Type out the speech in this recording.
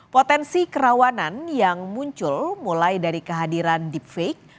potensi kerawanan yang muncul mulai dari kehadiran deep fake